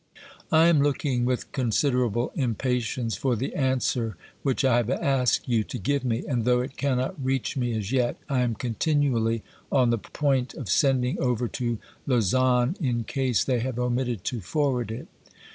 I am looking with considerable impatience for the answer which I have asked you to give me, and though it cannot reach me as yet, I am continually on the point of sending over to Lausanne in case they have omitted to forward it.